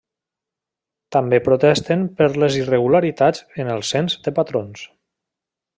També protesten per les irregularitats en el Cens de Patrons.